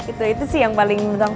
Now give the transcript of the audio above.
itu itu sih yang paling mudah